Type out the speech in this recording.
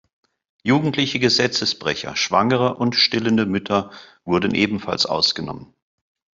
Jugendliche Gesetzesbrecher, Schwangere und stillende Mütter wurden ebenfalls ausgenommen.